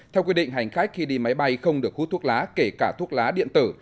theo quy định hành khách khi đi máy bay không được hút thuốc lá kể cả thuốc lá điện tử